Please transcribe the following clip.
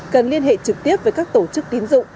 cần liên hệ trực tiếp với các tổ chức tín dụng